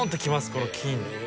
この金。